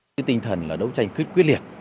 tính tinh thần là đấu tranh quyết liệt